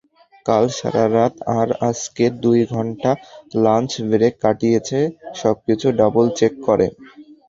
কাল সারারাত আর আজকের দুই ঘণ্টা লাঞ্চ ব্রেক কাটিয়েছি সবকিছু ডাবল-চেক করে।